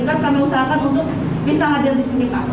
kami usahakan untuk bisa hadir di sini